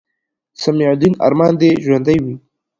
سمیع الدین ارمان دې ژوندے وي